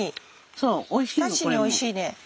おひたしにおいしいね。